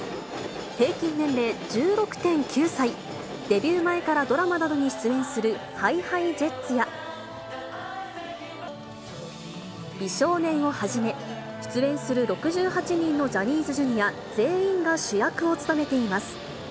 平均年齢１６．９歳、デビュー前からドラマなどに出演するＨｉＨｉＪｅｔｓや、美少年をはじめ、出演する６８人のジャニーズＪｒ．全員が主役を務めています。